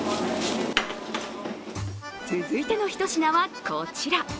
続いてのひと品はこちら。